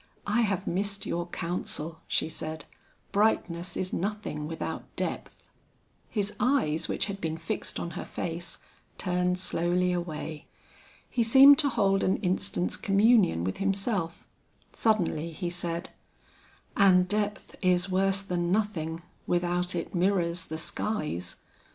I have missed your counsel," she said; "brightness is nothing without depth." His eyes which had been fixed on her face, turned slowly away. He seemed to hold an instant's communion with himself; suddenly he said, "And depth is worse than nothing, without it mirrors the skies.